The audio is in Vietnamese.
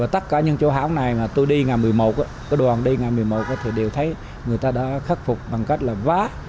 tất cả những chỗ háo này mà tôi đi ngày một mươi một tôi đoàn đi ngày một mươi một thì đều thấy người ta đã khắc phục bằng cách là vá